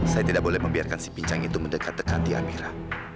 saya tidak boleh membiarkan si pinjang itu mendekat dekati amira